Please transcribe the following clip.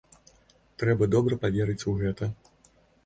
Трэба добра паверыць у гэта.